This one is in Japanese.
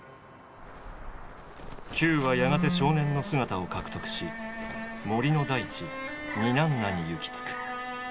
球はやがて少年の姿を獲得し森の大地ニナンナに行き着く。